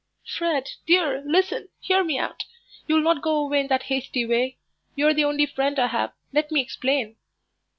"Fred, dear, listen, hear me out. You'll not go away in that hasty way. You're the only friend I have. Let me explain."